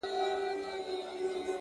• ګټه په سړه سینه کیږي ,